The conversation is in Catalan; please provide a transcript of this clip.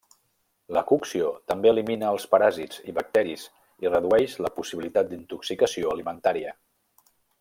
La cocció també elimina els paràsits i bacteris i redueix la possibilitat d'intoxicació alimentària.